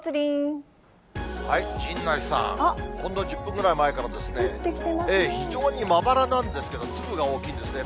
陣内さん、ほんの１０分ぐらい前から、非常にまばらなんですけど、粒が大きいんですね。